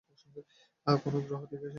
আহ, কোন গ্রহ থেকে এসেছিস ভাই তুই?